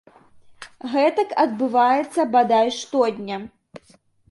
Гэтак адбываецца бадай штодня.